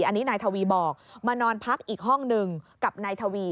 อันนี้นายทวีบอกมานอนพักอีกห้องหนึ่งกับนายทวี